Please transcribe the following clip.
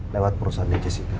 lewat perusahaan di jessica